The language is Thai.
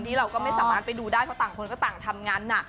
นี่เราก็ไม่สามารถไปดูได้เพราะต่างคนก็ต่างทำงานหนัก